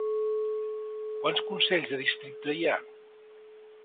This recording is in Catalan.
Quants consells de districte hi ha?